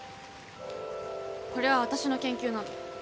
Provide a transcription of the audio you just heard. これは私の研究なの。